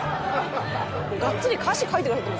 がっつり歌詞書いてくださって。